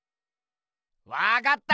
わかった！